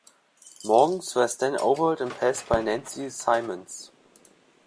Morgan was then overhauled and passed by Nancy Simons.